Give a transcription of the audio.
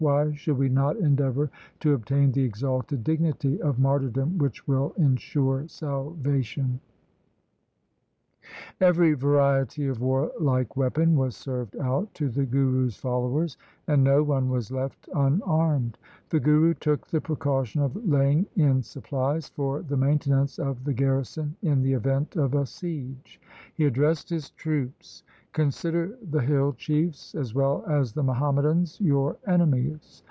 Why should we not endeavour to obtain the exalted dignity of martyrdom which will ensure salvation ?' Every variety of warlike weapon was served out to the Guru's followers, and no one was left unarmed. The Guru took the precaution of laying in supplies for the maintenance of the garrison in the event of a siege. He addressed his troops, ' Consider the hill chiefs as well as the Muhammadans your enemies.